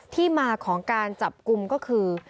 ที่มาของการจับกลุ่มก็คือ